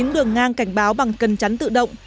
một mươi chín đường ngang cảnh báo bằng cân trạng